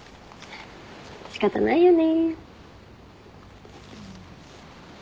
仕方ないよね。